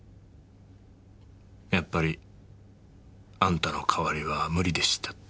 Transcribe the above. やっぱりあんたの代わりは無理でしたって。